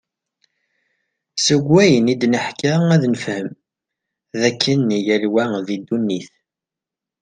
Seg wayen id-neḥka ad nefhem, d akken yal wa di ddunit.